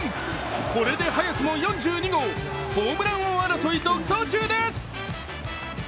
これで早くも４２号ホームラン争い独走中です。